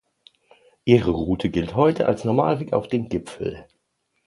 Ihre Route gilt heute als Normalweg auf den Gipfel.